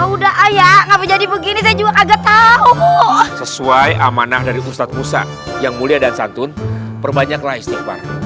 udah air nggak begini juga kaget tahu sesuai amanah dari ustadz musa yang mulia dan santun perbanyaklah istighfar